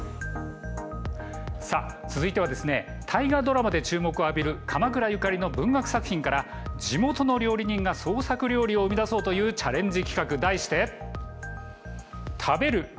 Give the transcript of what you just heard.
続いては大河ドラマで注目を浴びる鎌倉ゆかりの文学作品から地元の料理人が創作料理を生み出そうというチャレンジ企画、題して食べる！